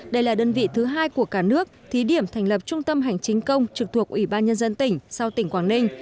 đây là đơn vị thứ hai của cả nước thí điểm thành lập trung tâm hành chính công trực thuộc ủy ban nhân dân tỉnh sau tỉnh quảng ninh